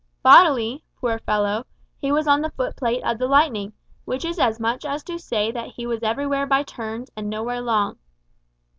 Bodily, poor fellow, he was on the foot plate of the Lightning, which is as much as to say that he was everywhere by turns, and nowhere long.